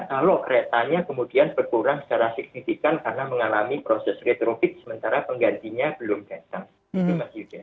kalau keretanya kemudian berkurang secara signifikan karena mengalami proses retrofit sementara penggantinya belum datang